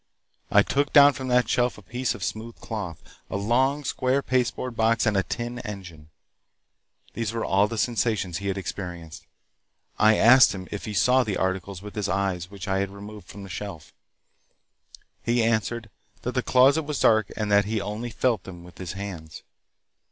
I took down from the shelf a piece of smooth cloth, a long, square pasteboard box and a tin engine. These were all the sensations he had experienced. I asked him if he saw the articles with his eyes which I had removed from the shelf. He answered that the closet was dark and that he only felt them with his hands.